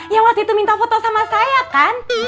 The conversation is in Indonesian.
yang waktu itu minta foto sama saya kan